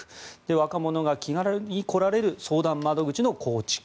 若者が気軽に来られる相談窓口の構築。